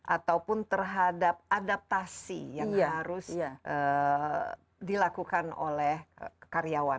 ataupun terhadap adaptasi yang harus dilakukan oleh karyawan